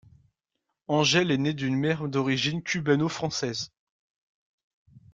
Ángel est né d'une mère d'origine cubano-française.